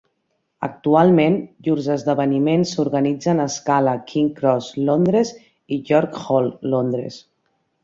Actualment, llurs esdeveniments s'organitzen a Scala, King's Cross, Londres i York Hall, Londres.